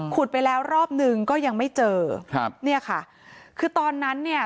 ไปแล้วรอบหนึ่งก็ยังไม่เจอครับเนี่ยค่ะคือตอนนั้นเนี่ย